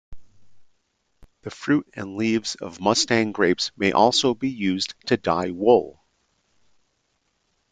The fruit and leaves of Mustang Grapes may also be used to dye wool.